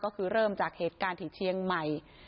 ก็คือเริ่มจากเหตุการณ์ที่เชียงใหม่